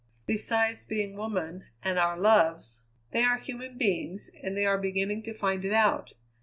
Besides being women, and our loves, they are human beings, and they are beginning to find it out.